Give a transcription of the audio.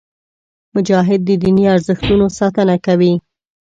مجاهد د دیني ارزښتونو ساتنه کوي.